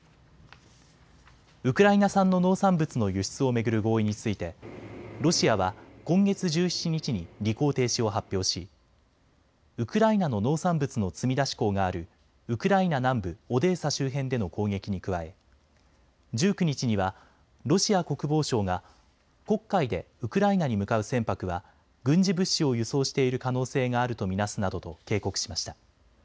ウクライナ産の農産物の輸出を巡る合意についてロシアは今月１７日に履行停止を発表しウクライナの農産物の積み出し港があるウクライナ南部オデーサ周辺での攻撃に加え１９日にはロシア国防省が黒海でウクライナに向かう船舶は軍事物資を輸送している可能性があると見なすなどと警告しました。